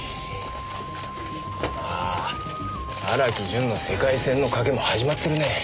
ああ荒木淳の世界戦の賭けも始まってるねぇ。